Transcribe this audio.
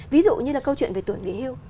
ví dụ như là câu chuyện về tuổi nghỉ hưu